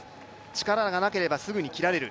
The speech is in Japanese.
力がなければすぐに切られる。